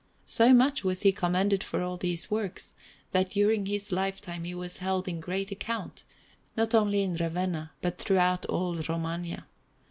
So much was he commended for all these works, that during his lifetime he was held in great account, not only in Ravenna but throughout all Romagna.